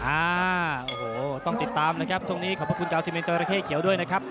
อ่าโอ้โหต้องติดตามนะครับช่วงนี้ขอบพระคุณกาวซิเมนจอราเข้เขียวด้วยนะครับ